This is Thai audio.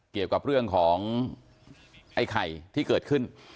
เกี่ยวกับเรื่องของไอ้ไข่ที่เกิดขึ้น